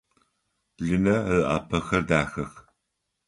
Линэ ыӏапэхэр дахэх.